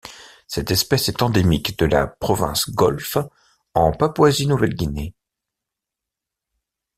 Cette espèce est endémique de la province Golfe en Papouasie-Nouvelle-Guinée.